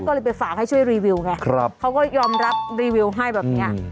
ก็เลยไปฝากให้ช่วยรีวิวไงเขาก็ยอมรับรีวิวให้แบบเนี้ย